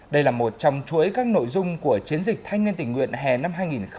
đây là một trong chuỗi các nội dung của chiến dịch thanh niên tình nguyện hè năm hai nghìn hai mươi